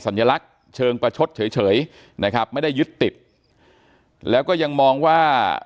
สัญลักษณ์เชิงประชดเฉยนะครับไม่ได้ยึดติดแล้วก็ยังมองว่า